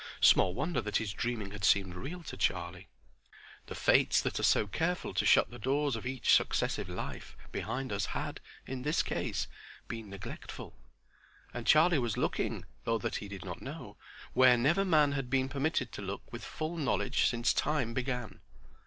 Small wonder that his dreaming had seemed real to Charlie. The Fates that are so careful to shut the doors of each successive life behind us had, in this case, been neglectful, and Charlie was looking, though that he did not know, where never man had been permitted to look with full knowledge since Time began.